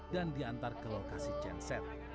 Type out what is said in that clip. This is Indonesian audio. dan diantar ke lokasi genset